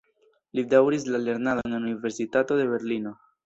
Li daŭris la lernadon en Universitato de Berlino.